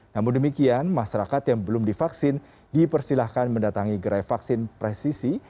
namun demikian masyarakat yang belum divaksin dipersilahkan mendatangi gerai vaksin presisi